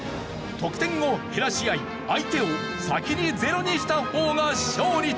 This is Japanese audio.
得点を減らし合い相手を先にゼロにした方が勝利となる。